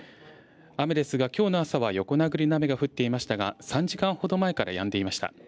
雨ですが、きょうの朝は横殴りの雨が降っていましたが３時間ほど前からやんでいました。